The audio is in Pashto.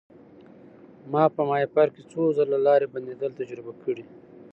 ما په ماهیپر کې څو ځله لارې بندیدل تجربه کړي.